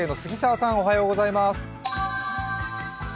おはようございます。